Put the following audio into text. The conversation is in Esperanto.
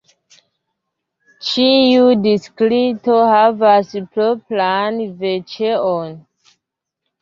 Ĉiu distrikto havas propran veĉeon.